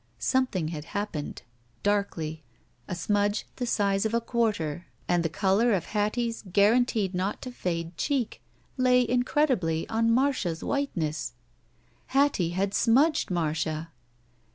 Something had happened! Darkly. A smudge the size of a quarter and the color of Hattie*s guaran I7S THE SMUDGE teed not to fade cheek, lay incredibly on Marcia's whiteness. Hattie had smudged Marcia